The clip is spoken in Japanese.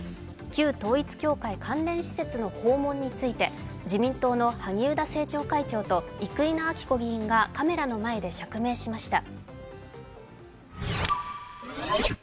旧統一教会関連施設の訪問について自民党の萩生田政調会長と生稲晃子議員がカメラの前で釈明しました。